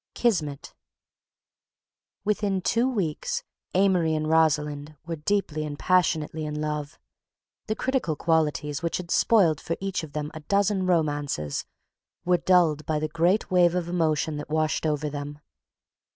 KISMET Within two weeks Amory and Rosalind were deeply and passionately in love. The critical qualities which had spoiled for each of them a dozen romances were dulled by the great wave of emotion that washed over them.